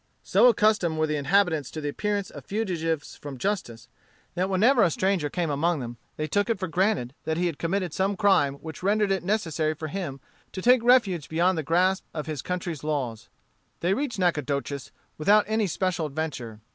So accustomed were the inhabitants to the appearance of fugitives from justice, that whenever a stranger came among them, they took it for granted that he had committed some crime which rendered it necessary for him to take refuge beyond the grasp of his country's laws. They reached Nacogdoches without any special adventure.